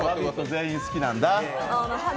全員好きなんだ。